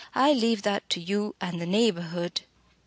"I leave that to you and the neighbourhood."